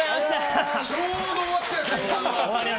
ちょうど終わったよ。